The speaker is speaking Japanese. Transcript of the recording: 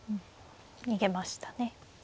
逃げましたね。